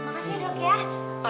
makasih ya dok ya